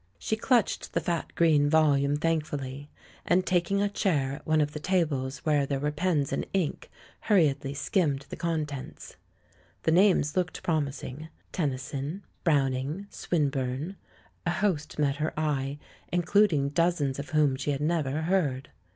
She clutched the fat green volume thankfully ; and, taking a chair at one of the tables where there were pens and ink, hurriedly skimmed the contents. The names looked promising. Tennyson, Browning, Swinburne — a host met her eye, in THE LAURELS AND THE LADY 155 eluding dozens of whom she had never heard.